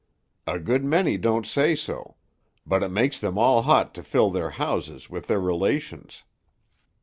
"A good many don't say so; but it makes them all hot to fill their houses with their relations.